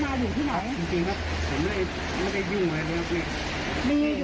ไม่จริงจริงผมไม่ได้เก็บอะไรทั้งนั้นเนี้ย